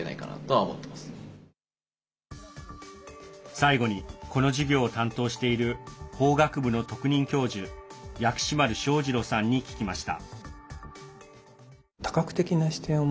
最後にこの授業を担当している法学部の特任教授薬師丸正二郎さんに聞きました。